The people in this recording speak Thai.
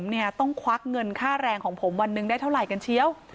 ผมเนี่ยต้องควักเงินค่าแรงของผมวันหนึ่งได้เท่าไหร่กันเชียว